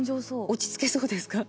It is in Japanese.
落ち着けそうですか？